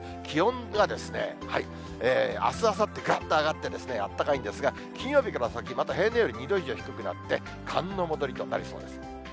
気温があす、あさって、がっと上がってですね、あったかいんですが、金曜日から先、また平年より２度以上低くなって、寒の戻りとなりそうです。